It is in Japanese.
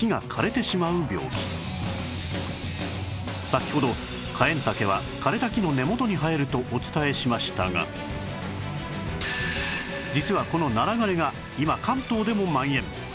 先ほどカエンタケは枯れた木の根元に生えるとお伝えしましたが実はこのナラ枯れが今関東でも蔓延